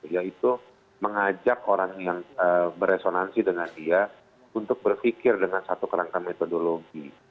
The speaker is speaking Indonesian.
yaitu mengajak orang yang beresonansi dengan dia untuk berpikir dengan satu kerangka metodologi